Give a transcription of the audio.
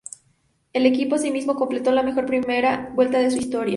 El equipo, asimismo, completó la mejor primera vuelta de su historia.